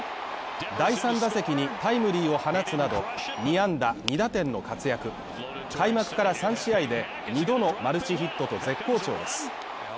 第３打席にタイムリーを放つなど２安打２打点の活躍から３試合で２度のマルチヒットと絶好調です。